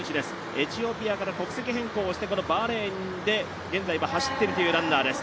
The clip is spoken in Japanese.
エチオピアから国籍変更をしてバーレーンで現在走っているというランナーです。